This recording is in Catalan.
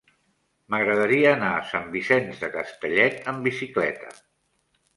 M'agradaria anar a Sant Vicenç de Castellet amb bicicleta.